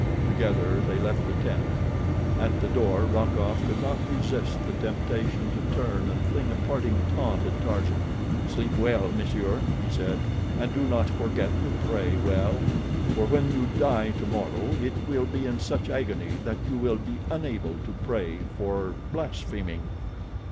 Together they left the tent. At the door Rokoff could not resist the temptation to turn and fling a parting taunt at Tarzan. "Sleep well, monsieur," he said, "and do not forget to pray well, for when you die tomorrow it will be in such agony that you will be unable to pray for blaspheming."